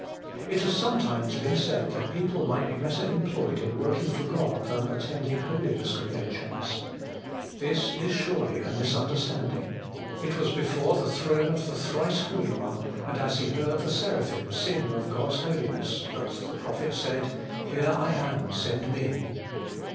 2. It has sometimes been said that people might be better employed in working for God than attending Holiness Conventions. This is surely a mis understanding. It was before the throne of the Thrice Holy One, and as he heard the Seraphim sing of God's Holiness, that the prophet said, 'Here am I, send me.'